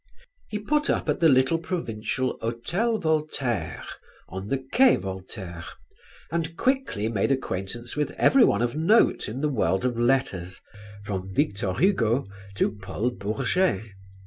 He put up at the little provincial Hotel Voltaire on the Quai Voltaire and quickly made acquaintance with everyone of note in the world of letters, from Victor Hugo to Paul Bourget.